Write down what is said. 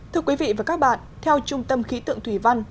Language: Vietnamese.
thưa quý vị và các bạn theo trung tâm khí tượng thủy văn